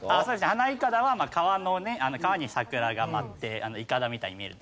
花いかだは川に桜が舞っていかだみたいに見えるっていう。